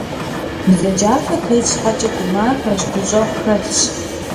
Бзаджафэ тет щхьэкӏэ, гумахэщ, гущӏэгъу хьэлъщ.